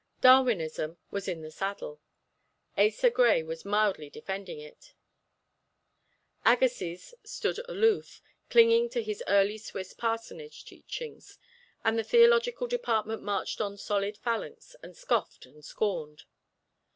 Darwinism was in the saddle. Asa Gray was mildly defending it. Agassiz stood aloof, clinging to his early Swiss parsonage teachings, and the Theological Department marched in solid phalanx and scoffed and scorned.